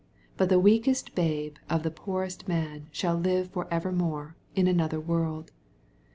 But the weakest babe of the poorest man shall live for evermore, in another world.